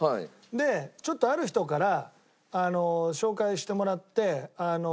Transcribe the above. でちょっとある人から紹介してもらって。